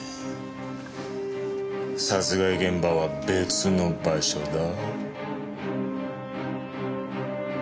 殺害現場は別の場所だ。